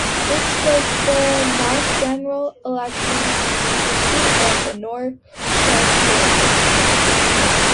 This was the ninth general election in the history of the Northwest Territories.